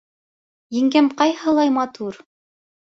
— Еңгәм ҡайһылай матур.